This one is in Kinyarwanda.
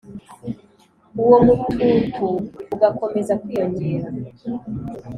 uwo mututu ugakomeza kwiyongera,